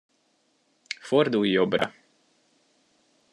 Fordulj jobbra.